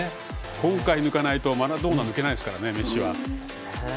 今回抜けないとマラドーナを抜けないですからねメッシは。